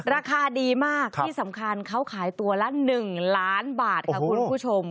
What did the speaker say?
ราคาดีมากที่สำคัญเขาขายตัวละ๑ล้านบาทค่ะคุณผู้ชม